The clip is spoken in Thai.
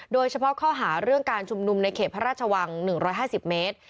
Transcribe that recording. โดยเฉพาะข้อหาเรื่องการชุมนุมในเขตพระราชวัง๑๕๐เมตร